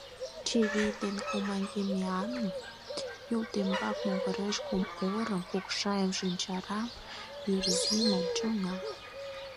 Чивиль ден Кузмадемьяным, Юл тембал могыреш кум орым: Кокшайым, Шанчарам, Вӱрзӱмым чоҥа.